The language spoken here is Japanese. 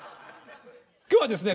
今日はですね